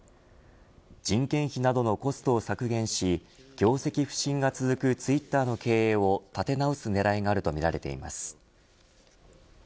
人件費などのコストを削減し業績不振が続くツイッターの経営を立て直す狙いがあるとみられています。